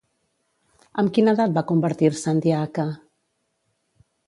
Amb quina edat va convertir-se en diaca?